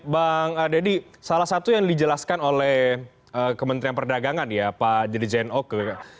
bang deddy salah satu yang dijelaskan oleh kementerian perdagangan ya pak dirjen oke